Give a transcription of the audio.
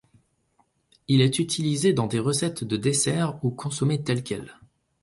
Il est utilisé dans des recettes de desserts ou consommé tel quel.